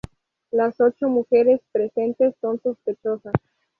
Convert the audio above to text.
Las ocho mujeres presentes son sospechosas.